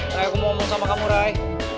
rai aku mau sama kamu rai